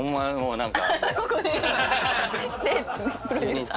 何か。